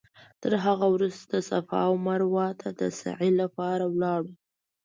تر هغه وروسته صفا او مروه ته د سعې لپاره لاړو.